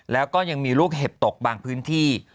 แล้วก็ยังมีลูกเห็บตกบางพื้นที่